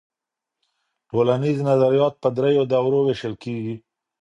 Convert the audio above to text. ټولنیز نظریات په درېیو دورو وېشل کيږي.